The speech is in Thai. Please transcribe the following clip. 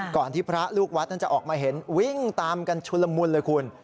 ที่พระลูกวัดนั้นจะออกมาเห็นวิ่งตามกันชุลมุนเลยคุณ